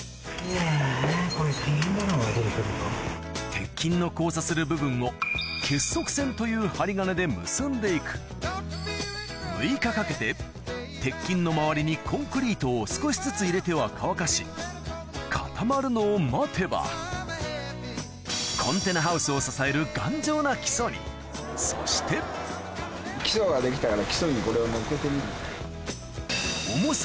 鉄筋の交差する部分を結束線という針金で結んでいく６日かけて鉄筋の周りにコンクリートを少しずつ入れては乾かし固まるのを待てばそして基礎ができたら。